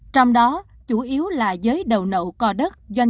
trong đó chủ yếu là giới đầu nậu co đất